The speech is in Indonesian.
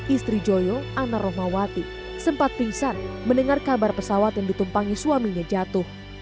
istri joyo ana rohmawati sempat pingsan mendengar kabar pesawat yang ditumpangi suaminya jatuh